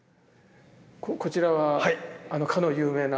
こちらはあのかの有名な。